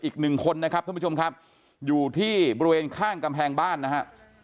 อีกหนึ่งคนนะครับท่านผู้ชมครับอยู่ที่บริเวณข้างกำแพงบ้านนะฮะ